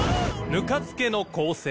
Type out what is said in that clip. ぬか漬けの光線。